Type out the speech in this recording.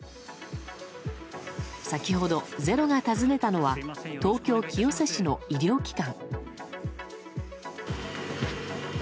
先ほど「ｚｅｒｏ」が訪ねたのは東京・清瀬市の医療機関。